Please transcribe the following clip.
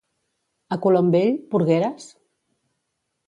A colom vell, porgueres?